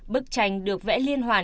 bức tranh được vẽ liên hoàn